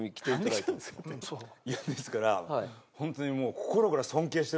いやですからホントにもう。